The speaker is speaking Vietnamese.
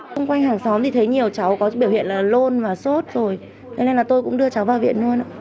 xung quanh hàng xóm thì thấy nhiều cháu có biểu hiện là lôn và sốt rồi thế nên là tôi cũng đưa cháu vào viện luôn ạ